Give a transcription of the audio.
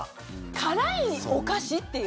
辛いにお菓子っていう。